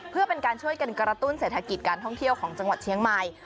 เพื่อเป็นการช่วยกันกระตุ้นเศรษฐกิจการท่องเที่ยวของจังหวัดเชียงใหม่